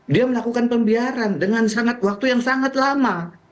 dia melakukan pembiaran dengan sangat waktu yang sangat lama